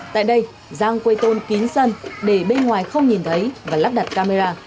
tại đây giang quây tôn kín sân để bên ngoài không nhìn thấy và lắp đặt camera